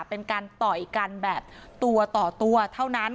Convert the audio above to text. เป็นการต่อยกันแบบตัวต่อตัวเท่านั้น